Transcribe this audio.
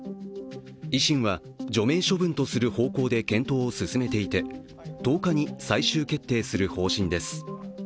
維新は除名処分とする方向で検討を進めていて１０日に最終決定する方針です。